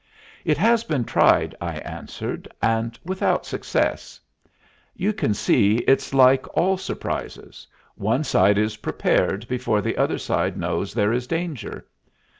"It has been tried," I answered, "and without success. You can see it's like all surprises. One side is prepared before the other side knows there is danger.